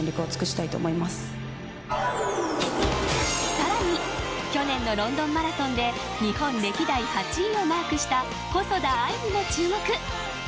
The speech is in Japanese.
さらに去年のロンドンマラソンで日本歴代８位をマークした細田あいにも注目。